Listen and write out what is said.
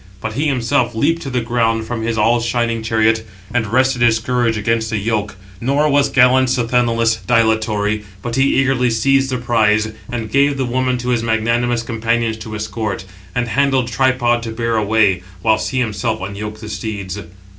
But he himself leaped to the ground from his all shining chariot, and rested his scourge against the yoke; nor was gallant Sthenelus dilatory, but he eagerly seized the prize, and gave the woman to his magnanimous companions to escort, and the handled tripod to bear away; whilst he himself unyoked the steeds.